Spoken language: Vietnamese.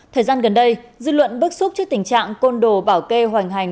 thời gian gần đây dư luận bức xúc trước tình trạng côn đồ bảo kê hoành hành